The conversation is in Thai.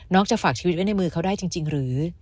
จะฝากชีวิตไว้ในมือเขาได้จริงหรือ